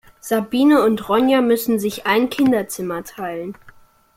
Sabine und Ronja müssen sich ein Kinderzimmer teilen.